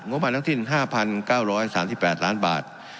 งบมาทั้งที่๕๙๓๘ล้านบาท